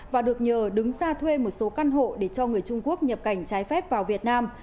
và được nhờ đứng ra thuê một số căn hộ để cho người trung quốc nhập cảnh trái phép vào việt nam